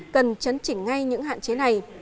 cần chấn chỉnh ngay những hạn chế này